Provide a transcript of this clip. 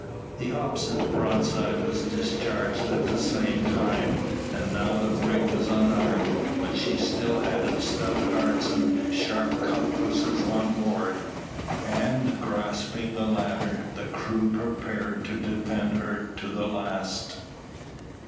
The opposite broadside was discharged at the same time. And now the brig was unarmed; but she had still stout hearts and sharp cutlasses on board, and, grasping the latter, the crew prepared to defend her to the last.